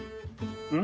うん？